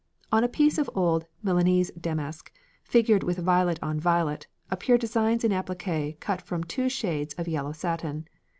On a piece of old Milanese damask, figured with violet on violet, appear designs in appliqué cut from two shades of yellow satin.